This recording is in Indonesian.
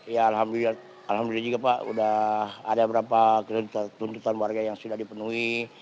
ya alhamdulillah juga pak sudah ada beberapa tuntutan warga yang sudah dipenuhi